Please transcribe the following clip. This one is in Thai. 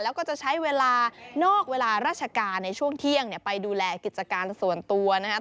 แล้วก็จะใช้เวลานอกเวลาราชการในช่วงเที่ยงไปดูแลกิจการส่วนตัวนะครับ